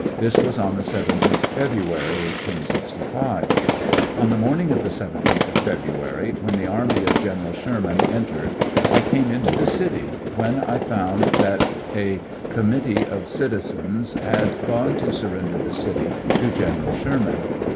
This was on the 17th February, 1865. On the morning of the 17th of February, when the army of General Sherman entered, I came into the city, when I found that a committee of citizens had gone to surrender the city to General Sherman.